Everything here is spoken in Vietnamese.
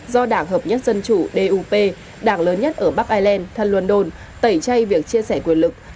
do đảng hợp nhất dân chủp đảng lớn nhất ở bắc ireland thân london tẩy chay việc chia sẻ quyền lực